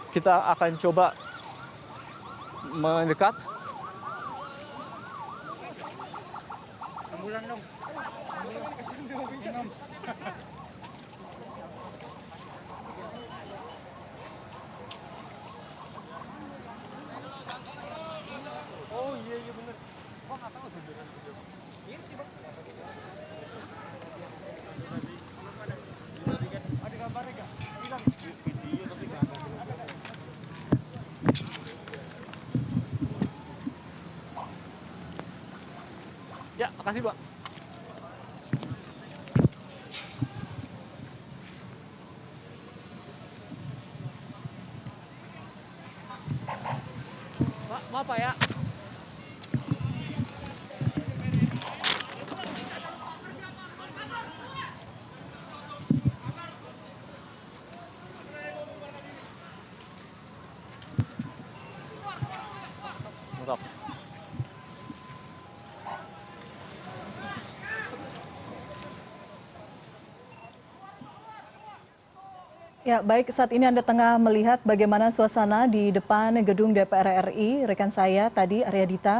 kita akan coba mendekat